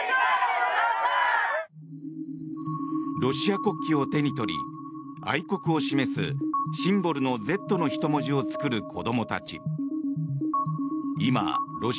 ロシア国旗を手に取り愛国を示すシンボルの「Ｚ」の人文字を作る子どもたち。